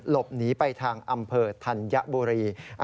หลบหนีไปทางอำเภอธัญบุรี